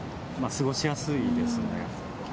過ごしやすいですね。